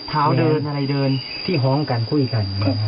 เท้าเดินอะไรเดินที่ห้องกันคุยกัน